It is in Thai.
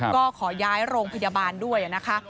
ก็ขอย้ายโรงพยาบาลด้วยนะคะ